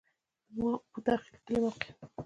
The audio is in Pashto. د موټاخیل کلی موقعیت